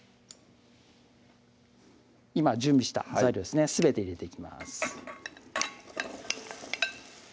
今準備した材料ですねすべて入れていきます